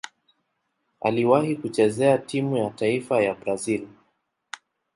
Aliwahi kucheza timu ya taifa ya Brazil.